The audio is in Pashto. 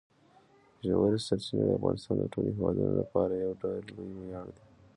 ژورې سرچینې د افغانستان د ټولو هیوادوالو لپاره یو ډېر لوی ویاړ دی.